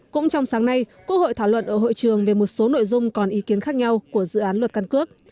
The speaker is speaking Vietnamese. cũng trong sáng nay quốc hội thảo luận ở hội trường về một số nội dung còn ý kiến khác nhau của dự án luật căn cước